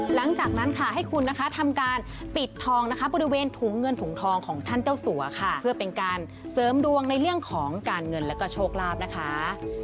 หลังจากนั้นค่ะให้คุณนะคะทำการปิดทองนะคะบริเวณถุงเงินถุงทองของท่านเจ้าสัวค่ะเพื่อเป็นการเสริมดวงในเรื่องของการเงินแล้วก็โชคลาภนะคะ